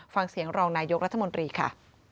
ฟังเสียงรองนายกรัฐมนตรีค่ะ